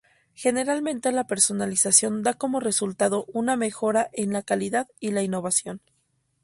Generalmente la personalización da como resultado una mejora en la calidad y la innovación.